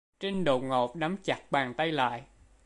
Trinh đột ngột nắm chặt bàn tay lại